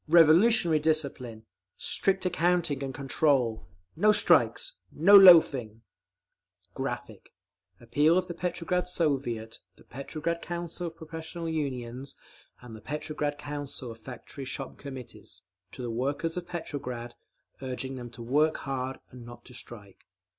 Revolutionary discipline! Strict accounting and control! No strikes! No loafing! [Graphic, page 281: Appeal to work hard] Appeal of the Petrograd Soviet, the Petrograd Council of Professional Unions, and the Petrograd Council of Factory Shop Committees, to the Workers of Petrograd, urging them to work hard and not to strike.